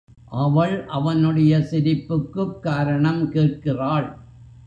அவள் அவனுடைய சிரிப்புக்குக் காரணம் கேட்கிறாள்.